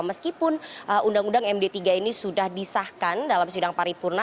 meskipun undang undang md tiga ini sudah disahkan dalam sidang paripurna